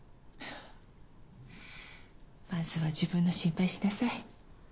まずは自分の心配しなさい。